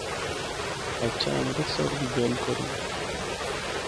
ہچھا امرت سر دی گل کراں۔